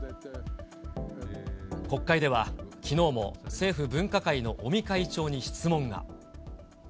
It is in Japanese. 国会ではきのうも政府分科会の尾身会長に質問が。